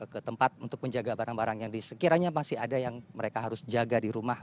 ke tempat untuk menjaga barang barang yang di sekiranya masih ada yang mereka harus jaga di rumah